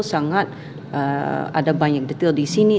sangat ada banyak detail di sini